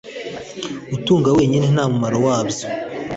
Gutunga wenyine ntamumaro wabyo